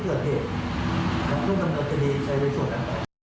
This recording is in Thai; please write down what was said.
ถ้าเกิดมีอะไรพลาดบินไปถึงสิการทองดูแล้ว